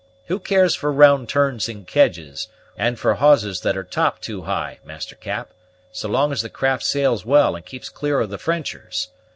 Who cares for round turns in kedges, and for hawsers that are topped too high, Master Cap, so long as the craft sails well, and keeps clear of the Frenchers?